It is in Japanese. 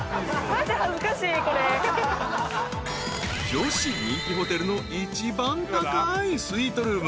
［女子人気ホテルの一番高いスイートルーム］